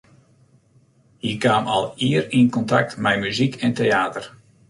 Hy kaam al ier yn kontakt mei muzyk en teäter.